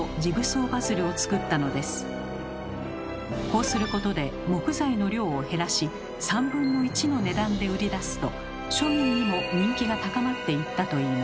こうすることで木材の量を減らし３分の１の値段で売り出すと庶民にも人気が高まっていったといいます。